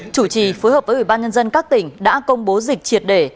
chủ trì phối hợp với ủy ban nhân dân các tỉnh đã công bố dịch triệt để